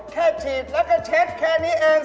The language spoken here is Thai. ฉีดแล้วก็เช็ดแค่นี้เอง